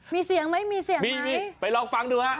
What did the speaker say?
มีเสียงไหมมีเสียงไหมมีมีไปลองฟังดูว่า